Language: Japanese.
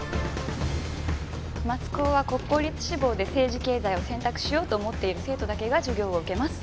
松高は国公立志望で政治経済を選択しようと思っている生徒だけが授業を受けます。